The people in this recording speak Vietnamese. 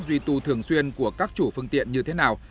duy tù thường xuyên của các chủ phương tiện như thế nào